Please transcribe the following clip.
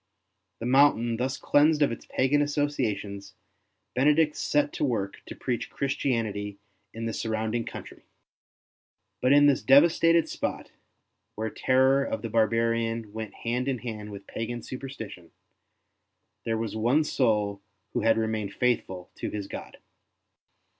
The mountain thus cleansed of its pagan associations, Benedict set to work to preach Christianity in the surrounding country. But in this devastated spot, where terror 58 ST. BENEDICT of the barbarian went hand in hand with pagan superstition, there was one soul who had remained faithful to his God.